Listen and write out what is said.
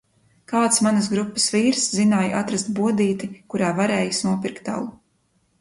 Kāds manas grupas vīrs zināja atrast bodīti, kurā varējis nopirkt alu.